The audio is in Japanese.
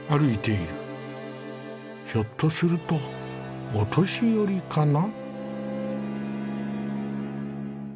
ひょっとするとお年寄りかな。